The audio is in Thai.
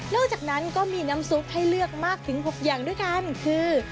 จากนั้นก็มีน้ำซุปให้เลือกมากถึง๖อย่างด้วยกันคือ